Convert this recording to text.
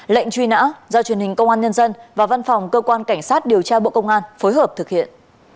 lệnh truy nã do truyền hình công an nhân dân và văn phòng cơ quan cảnh sát điều tra bộ công an phối hợp thực hiện